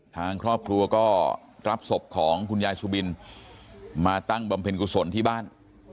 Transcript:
ทางครอบครัวก็รับศพของคุณยายสุบินมาตั้งบำเพ็ญกุศลที่บ้าน